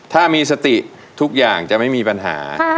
ถ้ามีสติทุกอย่างจะไม่มีปัญหา